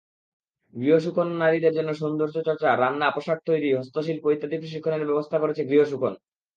গৃহসুখননারীদের জন্য সৌন্দর্যচর্চা, রান্না, পোশাক তৈরি, হস্তশিল্প ইত্যাদি প্রশিক্ষণের ব্যবস্থা করেছে গৃহসুখন।